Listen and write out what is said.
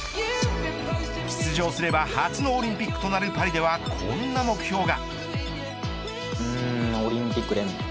出場すれば初のオリンピックとなるパリではこんな目標が。